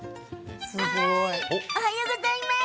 おはようございます。